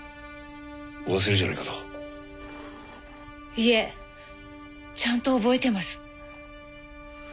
いえちゃんと覚えてます。